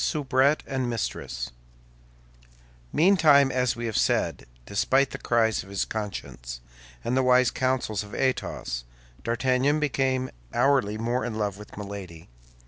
SOUBRETTE AND MISTRESS Meantime, as we have said, despite the cries of his conscience and the wise counsels of Athos, D'Artagnan became hourly more in love with Milady.